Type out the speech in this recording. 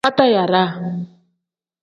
Batayaawa.